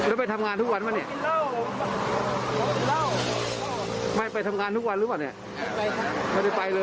อาจารย์เขาไม่ว่าเขาให้ออกแล้ว